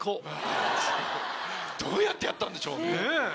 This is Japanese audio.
どうやってやったんでしょうね？